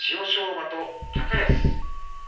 馬と高安。